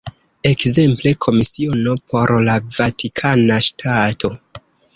Ekzemple, Komisiono por la Vatikana Ŝtato.